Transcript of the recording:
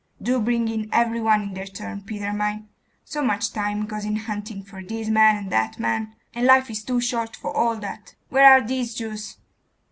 Do bring in every one in their turn, Peter mine. So much time goes in hunting for this man and that man.... and life is too short for all that. Where are these Jews?